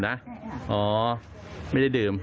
ไม่ได้ดื่มนะอ๋อไม่ได้ดื่ม